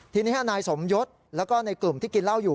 ทีนี้นายสมยศแล้วก็ในกลุ่มที่กินเหล้าอยู่